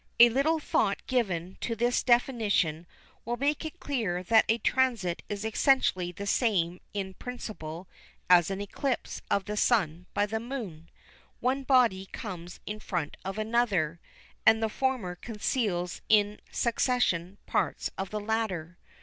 A little thought given to this definition will make it clear that a transit is essentially the same in principle as an eclipse of the Sun by the Moon—one body comes in front of another, and the former conceals in succession parts of the latter.